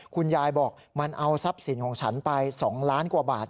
คุณยายบอกมันเอาทรัพย์สินของฉันไป๒ล้านกว่าบาท